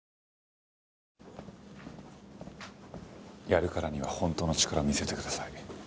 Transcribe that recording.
やるからには本当の力見せてください。